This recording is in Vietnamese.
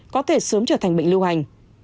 có thể sớm trở thành bệnh lưu hành